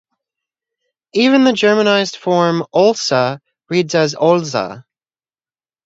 Even the Germanized form "Olsa" reads as "Olza".